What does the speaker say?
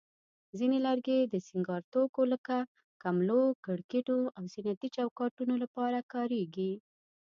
ځینې لرګي د سینګار توکو لکه کملو، کړکینو، او زینتي چوکاټونو لپاره کارېږي.